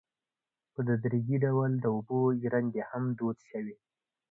په تدریجي ډول د اوبو ژرندې هم دود شوې.